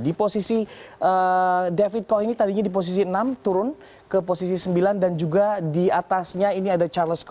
di posisi david koch ini tadinya di posisi enam turun ke posisi sembilan dan juga di atasnya ini ada charles cov